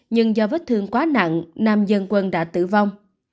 nhưng do vết thương quá nặng nam dân quân đã tử vong